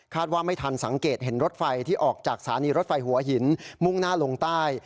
ว่าไม่ทันสังเกตเห็นรถไฟที่ออกจากสถานีรถไฟหัวหินมุ่งหน้าลงใต้